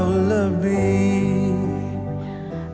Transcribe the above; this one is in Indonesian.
aku jadi deg degen canggung gini sih